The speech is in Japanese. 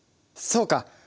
そうか！